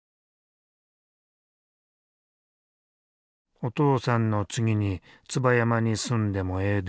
「お父さんの次に椿山に住んでもええで」。